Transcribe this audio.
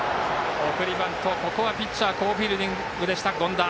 送りバント、ここはピッチャー好フィールディング、権田。